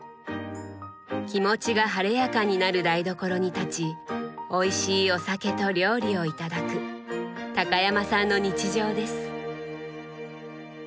気持ちが晴れやかになる台所に立ちおいしいお酒と料理を頂く高山さんの日常です。